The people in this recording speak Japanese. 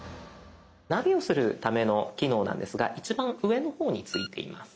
ナビをするための機能なんですが一番上の方についています。